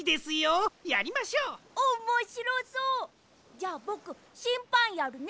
じゃあぼくしんぱんやるね。